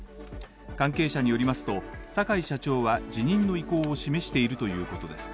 関係者によりますと、坂井社長は辞任の意向を示しているということです。